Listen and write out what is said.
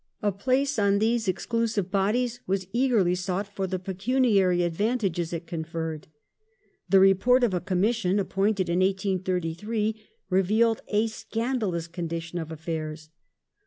A place on these exclusive bodies was eagerly sought for the pecuniary advantages it conferred. The Report of a Commission appointed in 1833 revealed a scandalous condition of affairs.